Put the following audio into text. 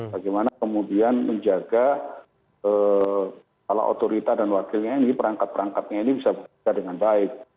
bagaimana kemudian menjaga kepala otorita dan wakilnya ini perangkat perangkatnya ini bisa bekerja dengan baik